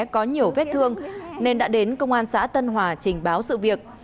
có nhiều vết thương nên đã đến công an xã tân hòa trình báo sự việc